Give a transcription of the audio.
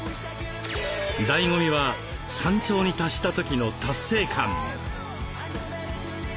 だいご味は山頂に達した時の達成感。